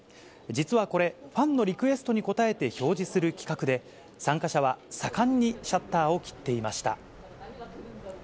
実はこれ、ファンのリクエストに応えて表示する企画で、参加者は盛んにシャッターを切っていました。